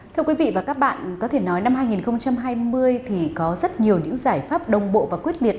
thưa quý vị và các bạn có thể nói năm hai nghìn hai mươi thì có rất nhiều những giải pháp đồng bộ và quyết liệt